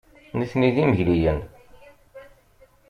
Nitni d imegliyen.